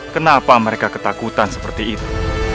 kenapa mereka ketakutan seperti itu